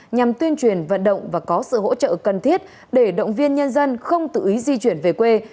nhằm tuyên truyền vận động và có sự hỗ trợ cần thiết để động viên nhân dân không tự ý di chuyển về quê